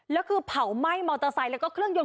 แล้วคือเผาไหม้มอเตอร์ไซค์แล้วก็เครื่องยนต